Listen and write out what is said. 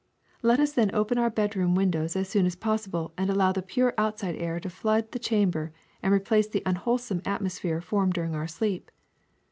Let us then open our bedroom windows as soon as pos sible and allow the pure outside air to flood the cham ber and replace the unwholesome atmosphere formed during our sleep.